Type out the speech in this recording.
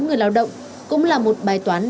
người lao động cũng là một bài toán